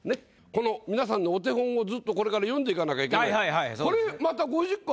この皆さんのお手本をずっとこれから詠んでいかなきゃいけない。